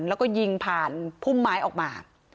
แล้วก็ยิงผ่านพุ่มไม้ออกมา